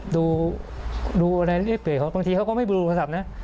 ดูดูอะไรเรียกเปลี่ยนเขาบางทีเขาก็ไม่ดูโทรศัพท์นะ